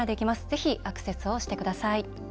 ぜひアクセスをしてください。